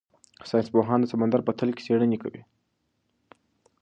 ساینس پوهان د سمندر په تل کې څېړنې کوي.